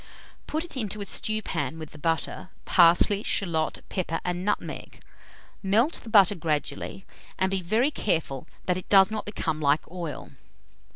Put it into a stewpan with the butter, parsley, shalot, pepper, and nutmeg. Melt the butter gradually, and be very careful that it does not become like oil.